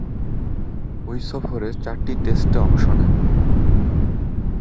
ঐ সফরে চারটি টেস্টে অংশ নেন।